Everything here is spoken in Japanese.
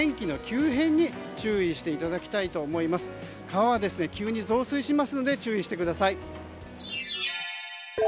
川は急に増水しますので注意してください。